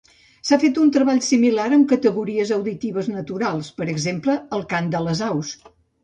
S'ha fet un treball similar amb categories auditives naturals, per exemple, el cant de les aus.